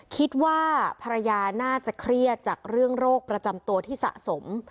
คิดว่าภรรยาน่าจะเครียดจากเรื่องโรคประจำตัวที่สะสม